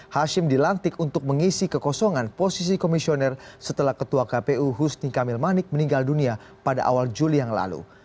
hashim dilantik untuk mengisi kekosongan posisi komisioner setelah ketua kpu husni kamil manik meninggal dunia pada awal juli yang lalu